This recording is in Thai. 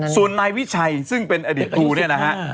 ส่วนนายวิชัยซึ่งเป็นอดีตครูเนี่ยนะฮะ